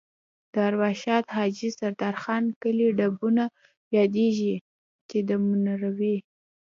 د ارواښاد حاجي سردار خان کلی ډبونه یادېږي چې د منورې